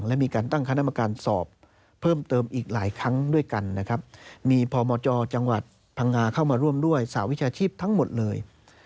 และมีการตั้งคณะกรรมการสอบเพิ่มเติมอีกหลายครั้งด้วยกันนะครับมีพมจจังหวัดพังงาเข้ามาร่วมด้วยสหวิชาชีพทั้งหมดเลย